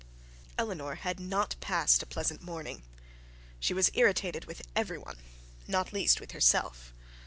Eleanor had not passed a pleasant morning. She was irritated with every one, and not least with herself.